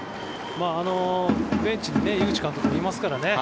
ベンチに井口監督もいますからね。